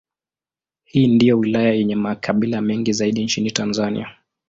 Hii ndiyo wilaya yenye makabila mengi zaidi nchini Tanzania.